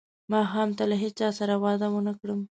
ماښام ته له هیچا سره وعده ونه کړم.